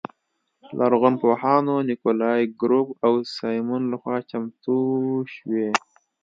لرغونپوهانو نیکولای ګروب او سیمون لخوا چمتو شوې.